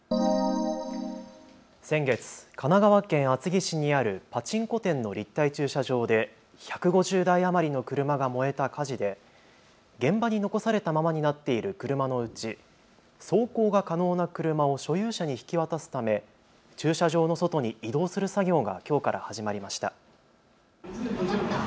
先月、神奈川県厚木市にあるパチンコ店の立体駐車場で１５０台余りの車が燃えた火事で現場に残されたままになっている車のうち走行が可能な車を所有者に引き渡すため駐車場の外に移動する作業がきょうから始まりました。